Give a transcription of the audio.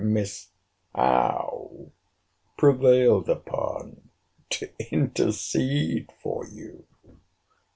Miss Howe prevailed upon to intercede for you!